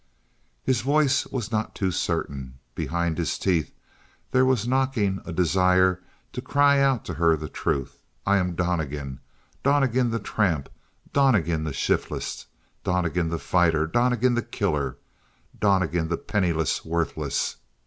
His voice was not too certain; behind his teeth there was knocking a desire to cry out to her the truth. "I am Donnegan. Donnegan the tramp. Donnegan the shiftless. Donnegan the fighter. Donnegan the killer. Donnegan the penniless, worthless.